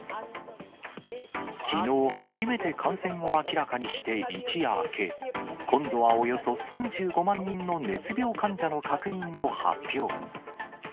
きのう初めて感染を明らかにして一夜明け、今度はおよそ３５万人の熱病患者の確認を発表。